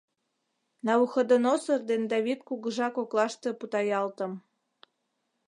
Навуходоносор ден Давид кугыжа коклаште путаялтым.